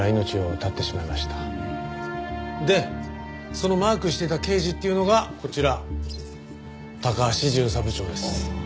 そのマークしていた刑事っていうのがこちら高橋巡査部長です。